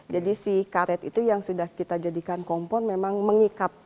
jadi si karet itu yang sudah kita jadikan kompon memang mengikat